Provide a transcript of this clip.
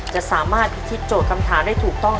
จะสามารถพิธีโจทย์คำถามได้ถูกต้อง